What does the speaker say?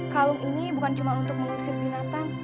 kalung ini bukan cuma untuk mengusir binatang